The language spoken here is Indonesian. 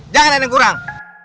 jangan ada yang kurang